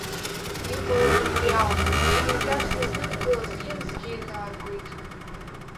Иҟалаз убри ауп, зхәымџьар зызнымкылаз хьымӡӷы инаргоит!